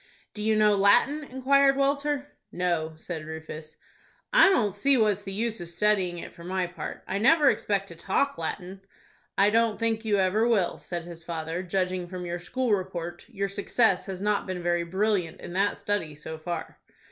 "Do you know Latin?" inquired Walter. "No," said Rufus. "I don't see what's the use of studying it, for my part. I never expect to talk Latin." "I don't think you ever will," said his father; "judging from your school report, your success has not been very brilliant in that study, so far."